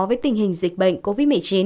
với tình hình dịch bệnh covid một mươi chín